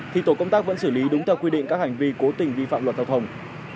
thì tổ công tác vẫn xử lý đúng theo quy định các hành vi cố tình vi phạm luật hợp hồng